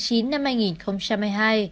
tháng chín năm hai nghìn hai mươi hai